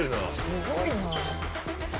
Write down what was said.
すごいなあ。